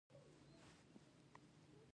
په خاموشۍ او چوپتيا کې د زړه په وينو.